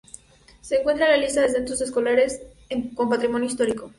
Se encuentra en la lista de Centros Escolares con Patrimonio Histórico.